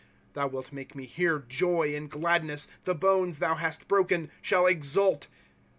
« Thou wilt make me hear joy and gladness ; The bonea thou hast broken shall exult.